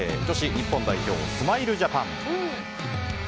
女子日本代表、スマイルジャパン。